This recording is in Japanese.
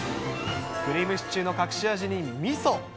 クリームシチューの隠し味にみそ。